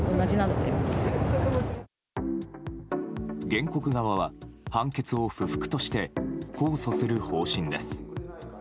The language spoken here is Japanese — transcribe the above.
原告側は判決を不服として控訴する方針です。